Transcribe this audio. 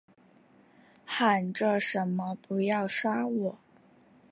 喊着什么不要杀我